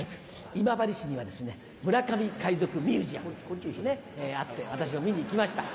今治市には村上海賊ミュージアムがあって私も見にいきました。